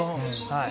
「はい」